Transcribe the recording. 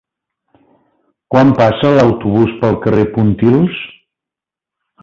Quan passa l'autobús pel carrer Pontils?